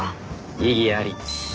異議あり。